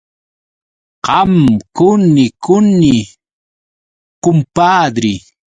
Qam quni quni, kumpadri.